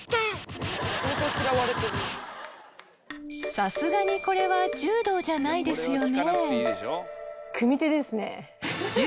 さすがにこれは柔道じゃないですよね？